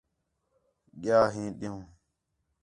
ڳِیا ہِے دھن٘وݨ